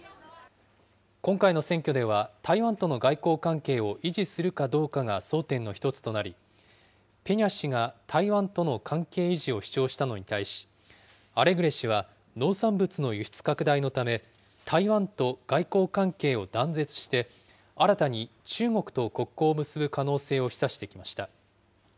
今回の選挙では台湾との外交関係を維持するかどうかが争点の一つとなり、ペニャ氏が台湾との関係維持を主張したのに対し、アレグレ氏は、農産物の輸出拡大のため、台湾と外交関係を断絶して、新たに中国と国交を結ぶ可能性を示唆してきました。